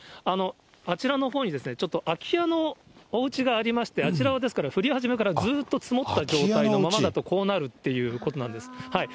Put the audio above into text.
あちらのほうにちょっと空き家のおうちがありまして、あちらはですから、降り始めからずっと積もった状態のままだとこうなるっていうことなんです。